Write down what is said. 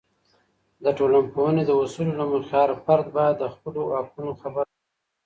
د ټولنپوهنې د اصولو له مخې، هر فرد باید د خپلو حقونو خبر وي.